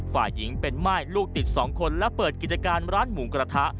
ฝ่ายหญิงเป็นม่ายลูกติด๒คนและเปิดกิจการร้านหมูกระทะ